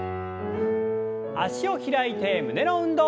脚を開いて胸の運動。